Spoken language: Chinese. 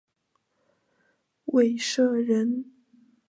韦陟人。